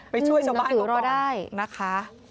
ช่วยชาวบ้านเขาก็ได้นะคะ